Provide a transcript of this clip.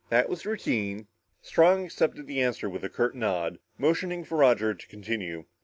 That was routine." Strong accepted the answer with a curt nod, motioning for Roger to continue.